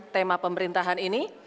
tema pemerintahan ini